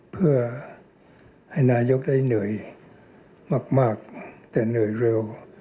เพื่อให้นายกได้เหนื่อยมากแต่เหนื่อยเร็ว